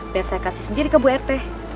biar saya kasih sendiri ke bu rt